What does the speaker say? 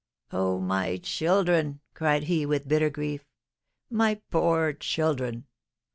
"Oh, my children!" cried he, with bitter grief; "my poor children!